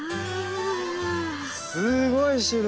すごい種類！